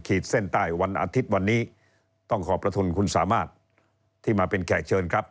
เส้นใต้วันอาทิตย์วันนี้ต้องขอบพระคุณคุณสามารถที่มาเป็นแขกเชิญครับ